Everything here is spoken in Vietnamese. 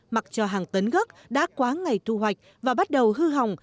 mặc cho hàng tấn gốc đã quá ngày thu hoạch và bắt đầu hư hỏng